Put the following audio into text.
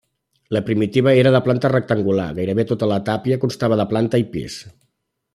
La primitiva era de planta rectangular, gairebé tota la tàpia, constava de planta i pis.